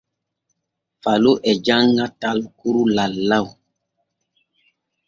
Falo e janŋa talkuru lallaw.